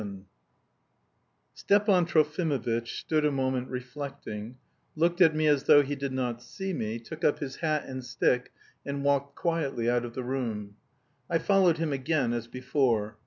VII Stepan Trofimovitch stood a moment reflecting, looked at me as though he did not see me, took up his hat and stick and walked quietly out of the room. I followed him again, as before.